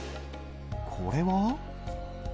これは？